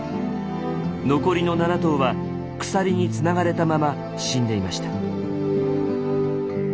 残りの７頭は鎖につながれたまま死んでいました。